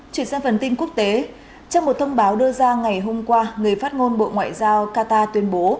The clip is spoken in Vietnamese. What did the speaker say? chuyển sang phần tin quốc tế trong một thông báo đưa ra ngày hôm qua người phát ngôn bộ ngoại giao qatar tuyên bố